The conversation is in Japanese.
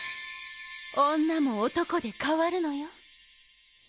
女も男で変わるのよ。